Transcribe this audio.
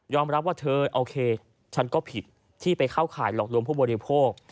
รับว่าเธอโอเคฉันก็ผิดที่ไปเข้าข่ายหลอกลวงผู้บริโภค